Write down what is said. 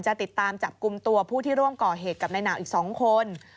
ติดตามจับกลุ่มตัวผู้ที่ร่วมก่อเหตุกับนายหนาวอีก๒คน